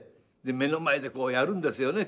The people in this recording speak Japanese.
目の前でこうやるんですよね